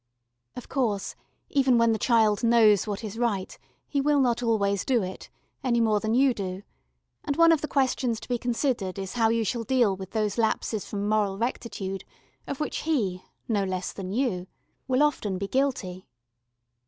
Of course even when the child knows what is right he will not always do it, any more than you do: and one of the questions to be considered is how you shall deal with those lapses from moral rectitude of which he, no less than you, will often be guilty.